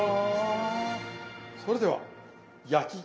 それでは焼き。